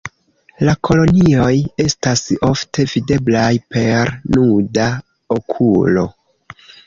La kolonioj estas ofte videblaj per nuda okulo.